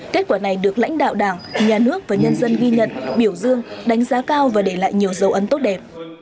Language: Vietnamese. kết quả này được lãnh đạo đảng nhà nước và nhân dân ghi nhận biểu dương đánh giá cao và để lại nhiều dấu ấn tốt đẹp